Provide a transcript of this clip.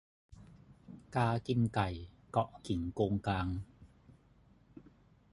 กากินไก่เกาะกิ่งโกงกาง